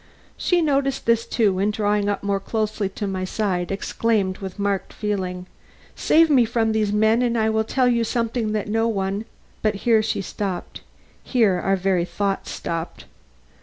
She noticed this too, and drawing up more closely to my side, exclaimed with marked feeling: "Save me from these men and I will tell you something that no one " But here she stopped, here our very thoughts stopped.